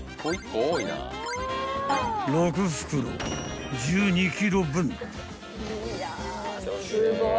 ［６袋１２ｋｇ分］